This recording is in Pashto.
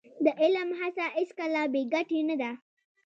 د علم هڅه هېڅکله بې ګټې نه ده.